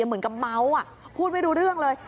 เหมือนกับเมาพูดไม่รู้เรื่องเลย